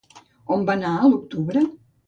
On van anar a l'octubre?